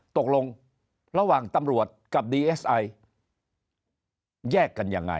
ตกลงระหว่างตำรวจกับดีเอสไอแยกกันยังไง